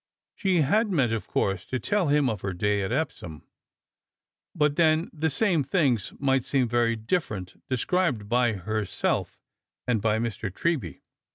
She had meant of course to tell him of her day at Epsom, but then the same things might seem very different described by herself and by Mr. Treby.